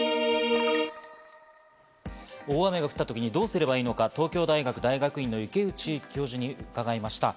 大雨が降ったときにどうすればいいのか、東京大学大学院の池内教授に伺いました。